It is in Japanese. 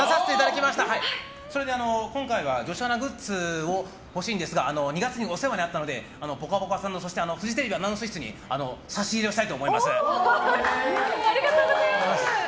それで、今回は女子アナグッズが欲しいんですがお世話になったのでフジテレビアナウンス室で差し入れしたいと思います。